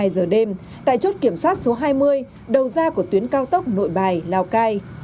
hai mươi giờ đêm tại chốt kiểm soát số hai mươi đầu ra của tuyến cao tốc nội bài lào cai